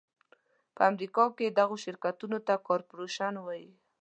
په امریکا کې دغو شرکتونو ته کارپورېشن وایي.